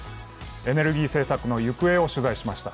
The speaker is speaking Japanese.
エネルギー政策の行方を取材しました。